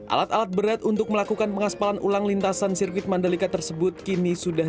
alat alat berat untuk melakukan pengaspalan ulang lintasan sirkuit mandalika tersebut kini sudah